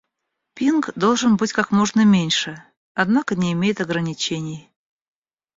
Пинг должен быть как можно меньше, однако не имеет ограничений